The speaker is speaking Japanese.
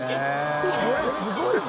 これすごいぞ！